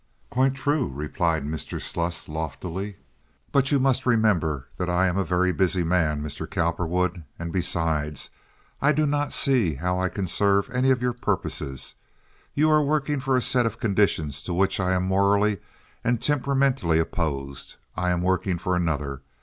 "Quite true," replied Mr. Sluss, loftily; "but you must remember that I am a very busy man, Mr. Cowperwood, and, besides, I do not see how I can serve any of your purposes. You are working for a set of conditions to which I am morally and temperamentally opposed. I am working for another.